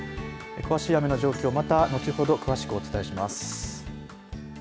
詳しい雨の状況、また後ほど詳しくお伝えします。